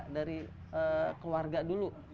dari keluarga dulu